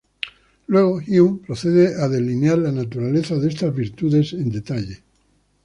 Luego, Hume procede a delinear la naturaleza de estas virtudes en detalle.